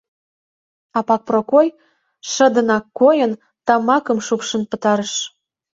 Апак Прокой, шыдынак койын, тамакым шупшын пытарыш.